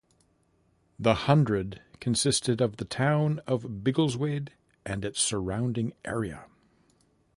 The hundred consisted of the town of Biggleswade and its surrounding area.